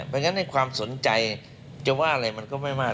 เพราะฉะนั้นในความสนใจจะว่าอะไรมันก็ไม่มาก